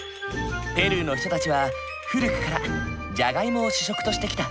ペルーの人たちは古くからじゃがいもを主食としてきた。